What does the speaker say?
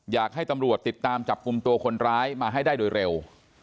อยากให้ตำรวจติดตามจับกลุ่มตัวคนร้ายมาให้ได้โดยเร็ว